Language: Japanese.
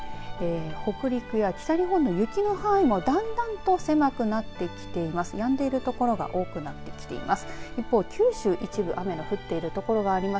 北陸や北日本の雪の範囲もだんだんと狭くなってきています。